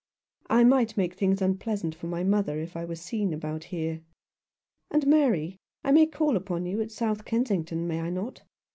" I might make things unpleasant for my mother if I were seen about here. And, Mary, I may call upon you' at South Kensington, may I not